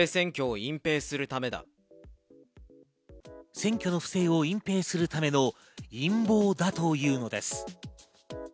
選挙の不正を隠蔽するための陰謀だというのです。